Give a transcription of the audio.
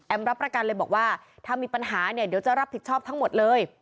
รับประกันเลยบอกว่าถ้ามีปัญหาเนี่ยเดี๋ยวจะรับผิดชอบทั้งหมดเลย